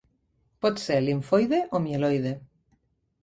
Pot ser limfoide o mieloide.